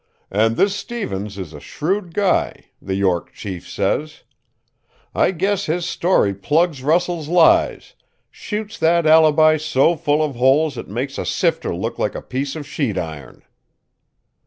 And this Stevens is a shrewd guy, the York chief says. I guess his story plugs Russell's lies, shoots that alibi so full of holes it makes a sifter look like a piece of sheet iron!